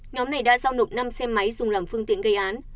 nhóm này đã giao nộp năm xe máy dùng làm phương tiện gây án